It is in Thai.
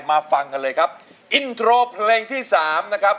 ฟังกันเลยครับอินโทรเพลงที่สามนะครับ